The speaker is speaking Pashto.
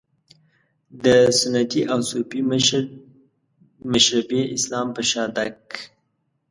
د سنتي او صوفي مشربي اسلام په شا تګ.